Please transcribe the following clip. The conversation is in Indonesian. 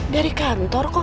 dari kantor kok